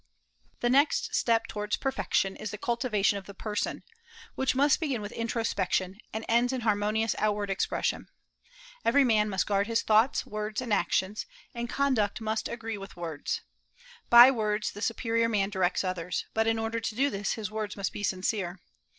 The next step towards perfection is the cultivation of the person, which must begin with introspection, and ends in harmonious outward expression. Every man must guard his thoughts, words, and actions; and conduct must agree with words. By words the superior man directs others; but in order to do this his words must be sincere.